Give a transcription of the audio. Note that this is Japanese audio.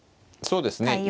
そうですね